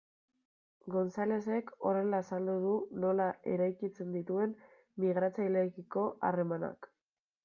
Gonzalezek horrela azaldu du nola eraikitzen dituen migratzaileekiko harremanak.